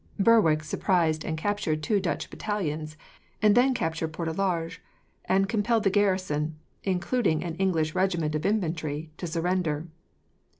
Berwick surprised and captured two Dutch battalions, and then captured Portalagre, and compelled the garrison, including an English regiment of infantry, to surrender.